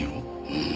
うん。